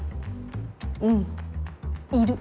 うんいる。